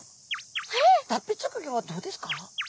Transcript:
脱皮直後はどうですか？